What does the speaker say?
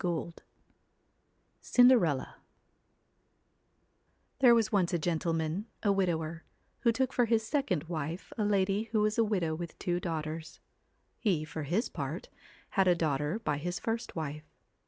21 22 CINDERELLA |HERE was once a gentleman, a CINDER widower, who took for his second ELLA wife a lady who was a widow with two daughters. He, for his part, had a daughter by his first wife.